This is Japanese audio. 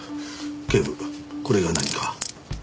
警部これが何か？